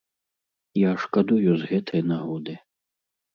Я шкадую з гэтай нагоды.